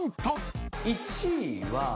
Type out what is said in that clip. １位は。